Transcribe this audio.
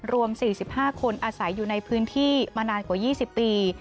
รวม๔๕คนอาศัยอยู่ในพื้นที่มานานกว่า๒๐ปี